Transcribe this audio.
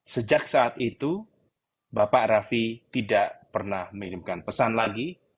sejak saat itu bapak raffi tidak pernah mengirimkan pesan lagi